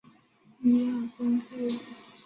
代表会主动攻击玩家的生物。